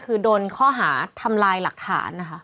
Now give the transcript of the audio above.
คือโดนข้อหาทำลายหลักฐานนะคะ